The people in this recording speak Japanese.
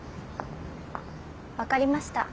分かりました。